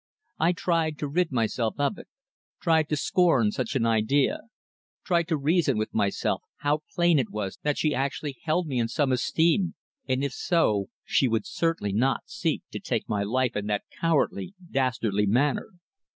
I tried to rid myself of it, tried to scorn such an idea, tried to reason with myself how plain it was that she actually held me in some esteem, and if so she would certainly not seek to take my life in that cowardly, dastardly manner.